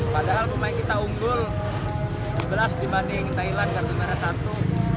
padahal pemain kita unggul sebelas dibanding thailand kartu merah satu